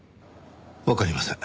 わかりません。